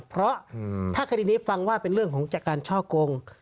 เพราะถ้าคดีนี้ฟังว่าเป็นเรื่องของจากการช่อกง